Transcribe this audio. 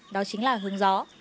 đó chính là hướng gió